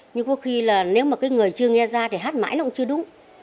nhưng có khi là nếu mà cái người chưa nghe ra thì hát mãi nó cũng chưa đúng